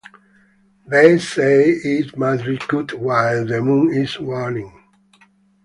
They say it must be cut while the moon is waning.